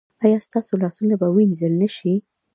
ایا ستاسو لاسونه به وینځل نه شي؟